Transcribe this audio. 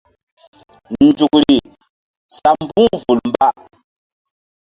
Nzukri sa mbu̧h vul mba.